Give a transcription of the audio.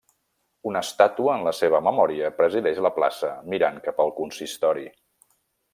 Una estàtua en la seva memòria presideix la plaça mirant cap al consistori.